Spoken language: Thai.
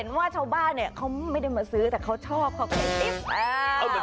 มอลำคลายเสียงมาแล้วมอลำคลายเสียงมาแล้ว